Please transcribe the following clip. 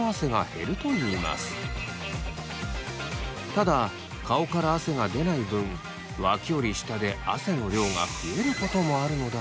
ただ顔から汗が出ない分脇より下で汗の量が増えることもあるのだとか。